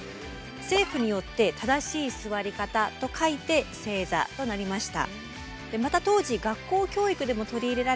政府によって「正しい座り方」と書いて「正座」となりました。